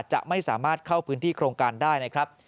จะไม่สามารถเข้าพื้นที่โครงการได้นะครับ